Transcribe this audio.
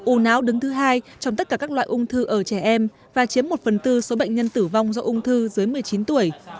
u não đứng thứ hai trong tất cả các loại ung thư ở trẻ em và chiếm một phần tư số bệnh nhân tử vong do ung thư dưới một mươi chín tuổi